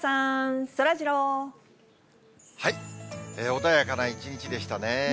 穏やかな一日でしたね。